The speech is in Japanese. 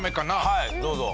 はいどうぞ。